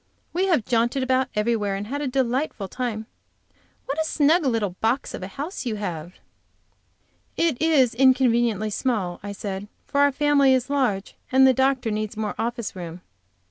"We have jaunted about everywhere, and have a delightful time. What a snug little box of a house you have!" "It is inconveniently small," I said, "for our family is large and the doctor needs more office room."